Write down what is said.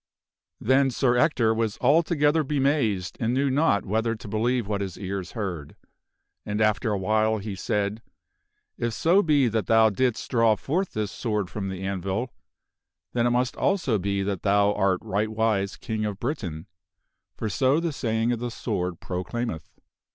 Then Sir Ector was altogether bemazed and knew not whether to be lieve what his ears heard. And after awhile he said, " If so be that thou didst draw forth this sword from the anvil, then it must also be that thou art rightwise King of Britain, for so the saying of the sword proclaim eth.